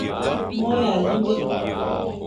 Mor à limbe.